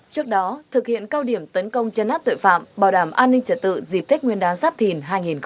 trước đó thực hiện cao điểm tấn công chân áp tội phạm bảo đảm an ninh trả tự dịp thích nguyên đáng giáp thìn hai nghìn hai mươi bốn